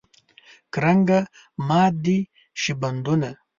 کرنګه مات دې شي بندونه.